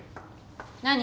何？